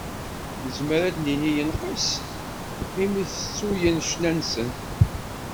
Nezmer ad d-nini yenqes imi tettuyen ccna-nsen.